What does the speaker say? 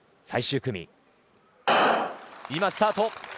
最終組、スタート。